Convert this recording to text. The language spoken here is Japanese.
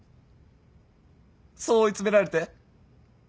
そう追い詰められて。